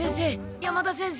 山田先生。